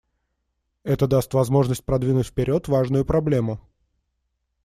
Это даст возможность продвинуть вперед важную проблему.